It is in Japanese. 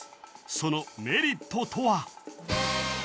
そのメリットとは？